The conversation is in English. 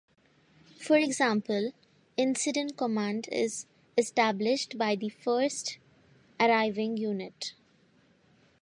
For example, Incident Command is established by the first arriving unit.